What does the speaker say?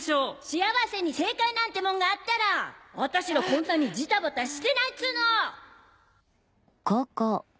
幸せに正解なんてもんがあったら私らこんなにジタバタしてないっつうの！